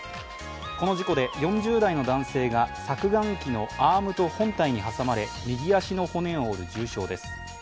この事故で４０代の男性が削岩機のアームと本体の間に挟まれ右足の骨を折る重傷です。